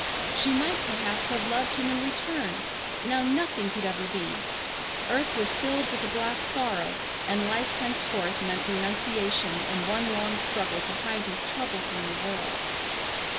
She might perhaps have loved him in return, but now nothing could ever be! Earth was filled with a black sorrow, and life henceforth meant renunciation and one long struggle to hide his trouble from the world.